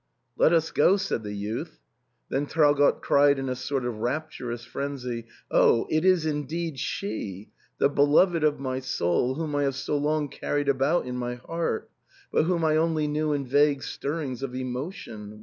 "Let us go," said the youth. Then Traugott cried in a sort of rapturous frenzy, "Oh ! it is indeed she !— the beloved of my soul, whom I have so long carried about in my heart, but whom I only knew in vague stirrings of emotion.